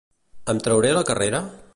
Em trauré la carrera?